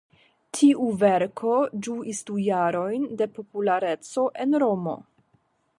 Tiu verko ĝuis du jarojn de populareco en Romo.